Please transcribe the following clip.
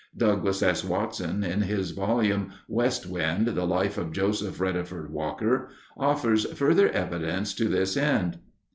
Douglas S. Watson, in his volume, West Wind: The Life of Joseph Reddeford Walker, offers further evidence to this end.